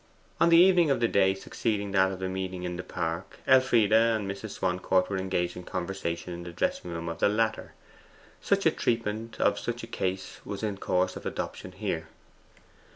On the evening of the day succeeding that of the meeting in the Park, Elfride and Mrs. Swancourt were engaged in conversation in the dressing room of the latter. Such a treatment of such a case was in course of adoption here.